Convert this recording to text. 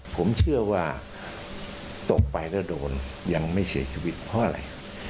ผมเชื่อว่าตกไปแล้วโดนยังไม่เสียชีวิตเพราะอะไร